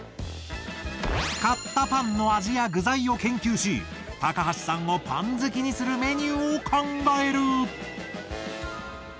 買ったパンの味や具材を研究し高橋さんをパン好きにするメニューを考える。